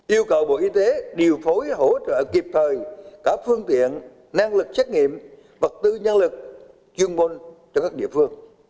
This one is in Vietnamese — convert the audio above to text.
yêu cầu bộ y tế điều phối hỗ trợ kịp thời cả phương tiện năng lực xét nghiệm vật tư nhân lực chuyên môn cho các địa phương